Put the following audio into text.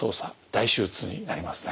大手術になりますね。